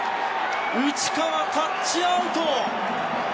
内川、タッチアウト！